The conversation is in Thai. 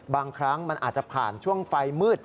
บางครั้งมันอาจจะผ่านช่วงไฟมืด